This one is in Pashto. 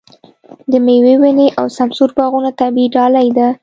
د مېوو ونې او سمسور باغونه طبیعي ډالۍ ده.